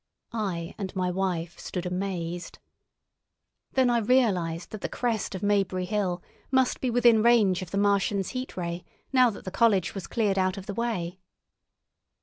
I and my wife stood amazed. Then I realised that the crest of Maybury Hill must be within range of the Martians' Heat Ray now that the college was cleared out of the way.